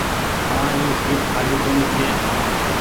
هآن اي سيٽ کآلي ڪونيٚ ڇي۔